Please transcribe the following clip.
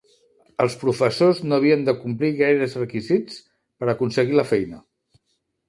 Els professors no havien de complir gaires requisits per aconseguir la feina.